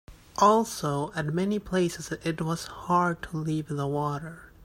Also, at many places it was hard to leave the water.